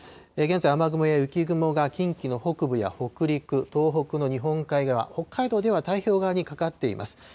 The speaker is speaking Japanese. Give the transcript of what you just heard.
現在、雨雲や雪雲が近畿の北部や北陸、東北の日本海側、北海道では太平洋側にかかっています。